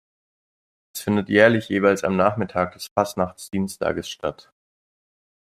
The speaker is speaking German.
Es findet jährlich jeweils am Nachmittag des Fasnachts-Dienstages statt.